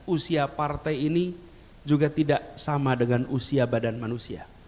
usia partai ini juga tidak sama dengan usia badan manusia